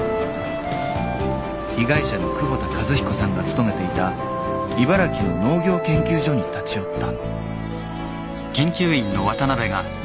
［被害者の窪田一彦さんが勤めていた茨城の農業研究所に立ち寄った］